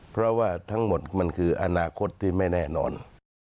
เพราะว่าทั้งหมดมันคืออนาคตที่ไม่แน่นอน